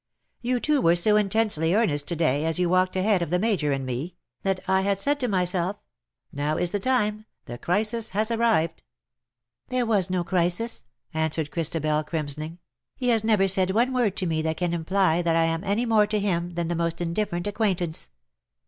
*^ You two were so intensely earnest to day as you walked ahead of the Major and me, that I *^TINTAGEL^ HALF IN SEA^ AND HALF ON LAND." 97 said to myself, ' now is the time — the crisis has arrived V " "There was no crisis/^ answered Christabel, crimsoning ;" he has never said one word to me that can imply that I am any more to him than the most indifferent acquaintance.''''